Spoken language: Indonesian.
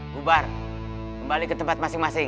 bu bar kembali ke tempat masing masing